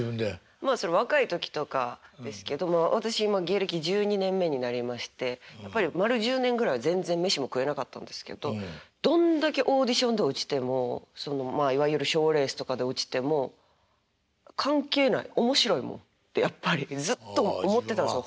まあその若い時とかですけど。私今芸歴１２年目になりましてやっぱり丸１０年ぐらい全然飯も食えなかったんですけどどんだけオーディションで落ちてもいわゆるショーレースとかで落ちても「関係ない面白いもん」ってやっぱりずっと思ってたんですよ